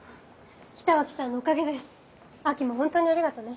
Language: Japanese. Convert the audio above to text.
北脇さんのおかげです亜季もホントにありがとね。